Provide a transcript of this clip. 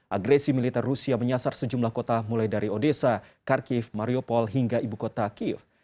agresi militer rusia menyasar sejumlah kota mulai dari odesa kharkiv mariupol hingga ibu kota kiev